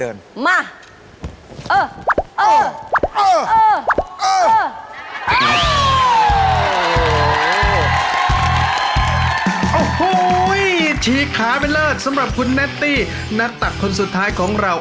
โอ้โหฉีกขาไปเลิศสำหรับคุณแนตตี้นัตักคนสุดท้ายของเรา